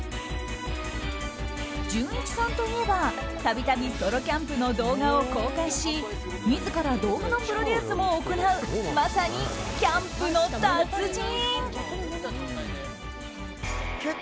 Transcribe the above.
じゅんいちさんといえば度々ソロキャンプの動画を公開し自ら道具のプロデュースも行うまさにキャンプの達人。